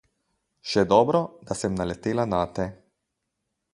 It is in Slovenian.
Še dobro, da sem naletela nate.